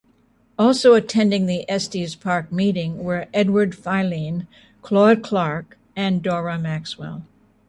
Also attending the Estes Park meeting were Edward Filene, Claude Clark, and Dora Maxwell.